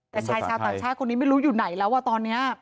แต่ชายชาวต่างชาติคนนี้ไม่รู้อยู่ไหนแล้วอ่ะตอนนี้